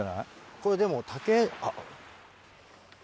これでも竹あっ。